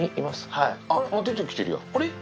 もう出てきてるやん。